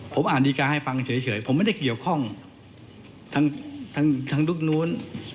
ผมอ่านดีการ์ให้ฟังเฉยผมไม่ได้เกี่ยวข้องทั้งยุคนู้น